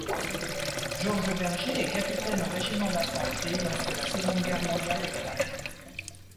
Georges Bergé est capitaine au régiment d'infanterie lorsque la Seconde Guerre mondiale éclate.